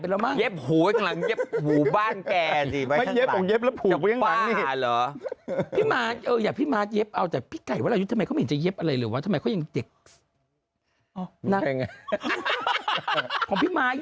อะไรแบบไงบ้างอะไรแบบนี้บ้าง